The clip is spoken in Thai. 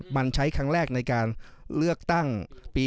มันใช้ครั้งแรกในการเลือกตั้งปี๒๕